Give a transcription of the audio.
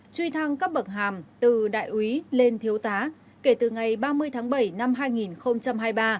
truy thăng cấp bậc hàm từ đại úy lên thiếu tá kể từ ngày ba mươi tháng bảy năm hai nghìn hai mươi ba